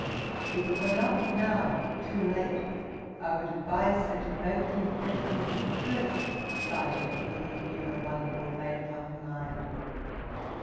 If it were not now too late, I would advise her to note the impression which the first sight of any thing new and wonderful made upon her mind.